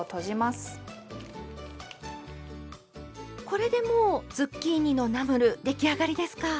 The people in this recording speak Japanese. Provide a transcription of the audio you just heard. これでもうズッキーニのナムル出来上がりですか？